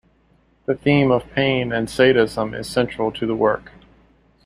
The theme of pain and sadism is central to the work.